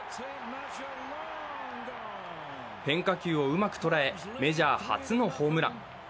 変化球をうまく捉えメジャー初のホームラン。